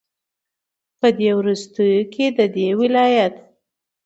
په دې وروستيو كې ددې ولايت